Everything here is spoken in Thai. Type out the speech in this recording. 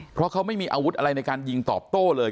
เพราะเขาไม่มีอาวุธอะไรในการยิงตอบโต้เลย